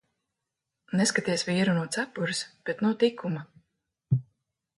Neskaities vīru no cepures, bet no tikuma.